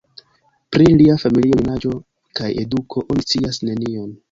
Pri lia familio, junaĝo kaj eduko oni scias nenion.